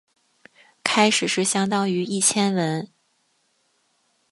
开始是相当于一千文。